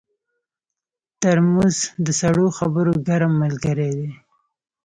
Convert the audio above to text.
ترموز د سړو خبرو ګرم ملګری دی.